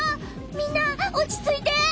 みんなおちついて！